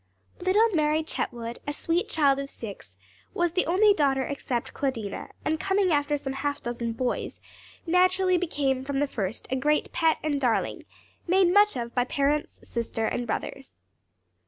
Little Mary Chetwood, a sweet child of six, was the only daughter except Claudina, and coming after some half dozen boys, naturally became, from the first, a great pet and darling, made much of by parents, sister and brothers.